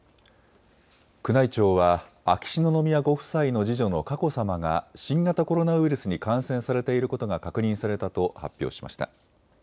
宮内庁は秋篠宮ご夫妻の次女の佳子さまが新型コロナウイルスに感染されていることが確認されたと発表しました。